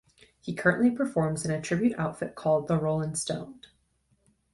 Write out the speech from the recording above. He currently performs in a tribute outfit called The Rollin' Stoned.